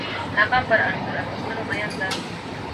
هغه پر انځور اخیستلو مین ده